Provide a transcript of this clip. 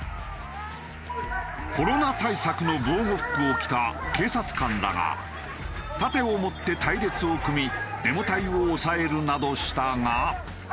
コロナ対策の防護服を着た警察官らが盾を持って隊列を組みデモ隊を抑えるなどしたが。